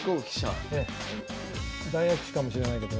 大悪手かもしれないけど。